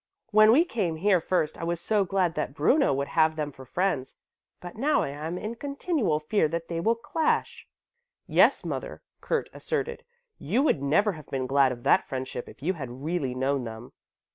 When we came here first I was so glad that Bruno would have them for friends, but now I am in continual fear that they will clash." "Yes, mother," Kurt asserted, "you would never have been glad of that friendship if you had really known them.